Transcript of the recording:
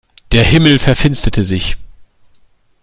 Der Himmel verfinsterte sich.